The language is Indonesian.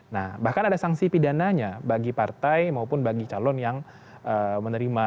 nah bahkan ada sanksi pidananya bagi partai maupun bagi calon yang menerima